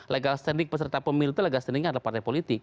legal standing peserta pemilu itu legal standingnya adalah partai politik